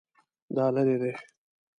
دا لیرې دی؟